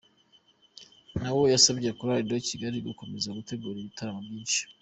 Na we yasabye Chorale de Kigali gukomeza gutegura ibitaramo byinshi.